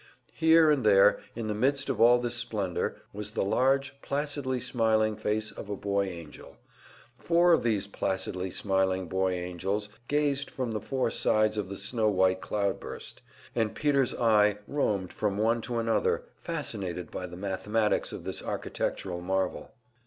Here and there, in the midst of all this splendor, was the large, placidly smiling face of a boy angel; four of these placidly smiling boy angels gazed from the four sides of the snow white cloud burst, and Peter's eye roamed from one to another, fascinated by the mathematics of this architectural marvel.